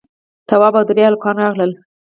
تواب او درې هلکان راغلل.